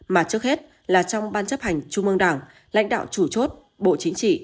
mà trước hết là trong ban chấp hành trung ương đảng lãnh đạo chủ chốt bộ chính trị